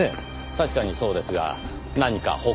確かにそうですが何か他の用事。